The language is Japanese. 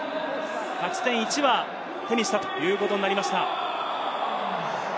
勝ち点１は手にしたということになりました。